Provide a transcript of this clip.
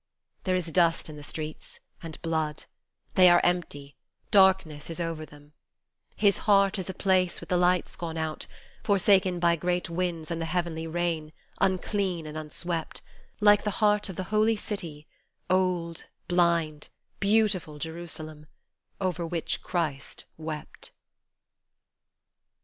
There is dust in the streets, and blood ; they are empty ; darkness is over them ; His heart is a place with the lights gone out, forsaken by great winds and the heavenly rain, unclean and unswept, Like the heart of the holy city, old, blind, beautiful Jerusalem, Over which Christ wept.